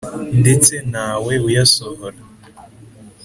Ndetse nawe uyasohora